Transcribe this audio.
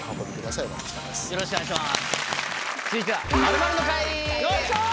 よろしくお願いします